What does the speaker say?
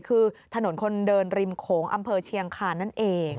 คือถนนคนเดินริมโขงอำเภอเชียงคานนั่นเอง